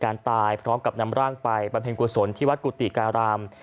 การตายพร้อมกับนำร่างไปประเภทกัวร์สนที่วัดกุฏิการราม